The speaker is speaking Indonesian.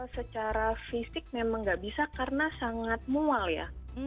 secara fisik memang nggak bisa karena sangat mual ya